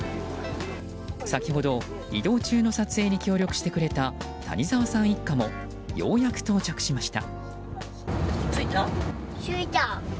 先ほど移動中の撮影に協力してくれた谷澤さん一家もようやく到着しました。